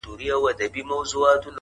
• ستا د پښې پايزيب مي تخنوي گلي ـ